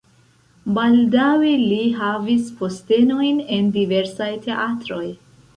Baldaŭe li havis postenojn en diversaj teatroj.